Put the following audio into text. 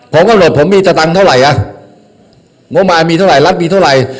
ผมก็บอกผมมีตัดตังค์เท่าไรอ่ะโมมายมีเท่าไรลัทธ์มีเท่าไร